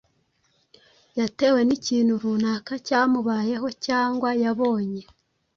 yatewe n’ikintu runaka cyamubayeho cyangwa yabonye.